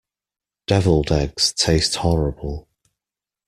Devilled eggs taste horrible.